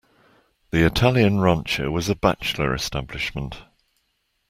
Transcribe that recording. The Italian rancho was a bachelor establishment.